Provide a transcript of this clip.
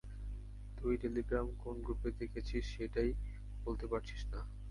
তুই টেলিগ্রামে কোন গ্রুপে দেখেছিস সেইটাই বলতে পারছিস না।